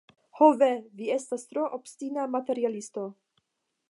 Ho ve, vi estas tro obstina materialisto.